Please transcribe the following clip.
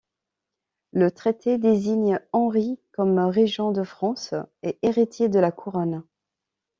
Le traité désigne Henri comme régent de France et héritier de la couronne.